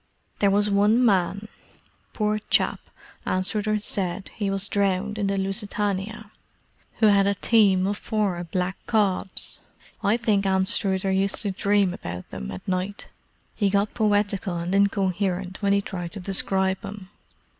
There was one man—poor chap, Anstruther said he was drowned in the Lusitania—who had a team of four black cobs. I think Anstruther used to dream about them at night; he got poetical and incoherent when he tried to describe 'em."